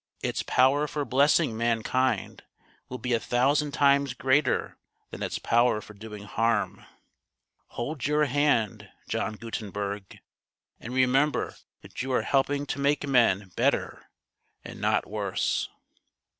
Its power for blessing mankind will be a thousand times greater than its power for doing harm. Hold your hand, John Gutenberg, and remember that you are helping to make men better and not worse."